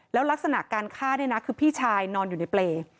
แล้วลักษณะการฆ่าเนี่ยนะคือพี่ชายนอนอยู่ในเปรย์